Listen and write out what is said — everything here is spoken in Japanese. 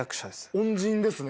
恩人ですね